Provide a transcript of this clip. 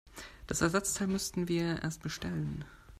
Das Ersatzteil müssten wir erst bestellen.